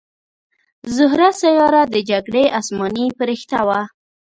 زهره سیاره د جګړې اسماني پرښته وه